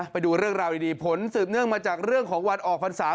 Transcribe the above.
ไปดูเรื่องราวดีผลสืบเนื่องมาจากเรื่องของวันออกพรรษา